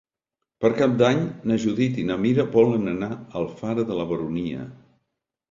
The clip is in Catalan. Per Cap d'Any na Judit i na Mira volen anar a Alfara de la Baronia.